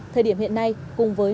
thời điểm hiện nay cùng với